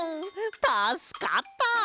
たすかった！